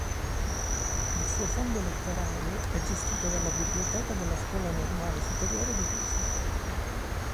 Il suo fondo letterario è gestito dalla Biblioteca della Scuola Normale Superiore di Pisa.